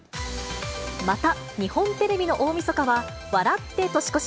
また日本テレビの大みそかは、笑って年越し！